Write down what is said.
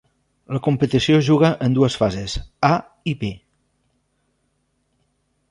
La competició es juga en dues fases, A i B.